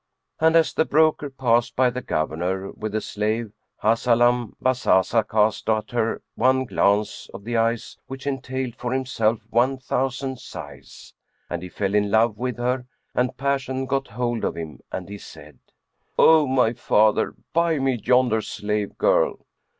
And as the broker passed by the Governor with the slave, Hahzalam Bazazah cast at her one glance of the eyes which entailed for himself one thousand sighs; and he fell in love with her and passion got hold of him and he said, "O my father, buy me yonder slave girl."